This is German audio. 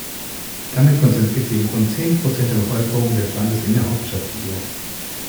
Damit konzentriert sich rund zehn Prozent der Bevölkerung des Landes in der Hauptstadtregion.